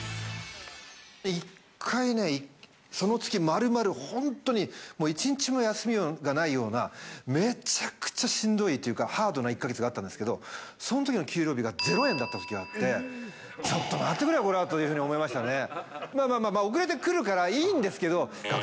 一回ね、その月、まるまる本当にもう一日も休みがないような、めちゃくちゃしんどいというか、ハードな１か月があったんですけど、そのときの給料日が０円だったときがあって、ちょっと待ってくれよ、これはというふうに思いましたね。